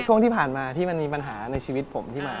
ช่วงที่ผ่านมาที่มันมีปัญหาในชีวิตผมที่มา